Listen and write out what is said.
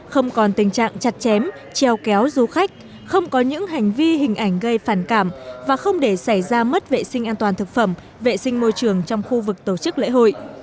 không còn tình trạng chặt chém treo kéo du khách không có những hành vi hình ảnh gây phản cảm và không để xảy ra mất vệ sinh an toàn thực phẩm vệ sinh môi trường trong khu vực tổ chức lễ hội